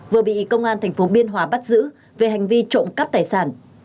vừa bị công an thành phố biên hòa bắt giữ về hành vi trộm cấp tài sản